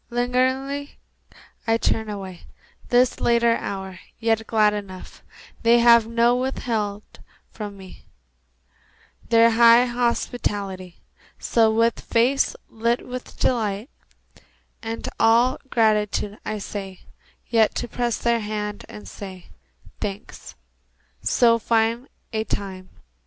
Lingeringly I turn away, This late hour, yet glad enough They have not withheld from me Their high hospitality. So, with face lit with delight And all gratitude, I stay Yet to press their hands and say, "Thanks. So fine a time